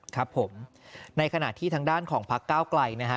ครับผมในขณะที่ทางด้านของพักเก้าไกลนะฮะ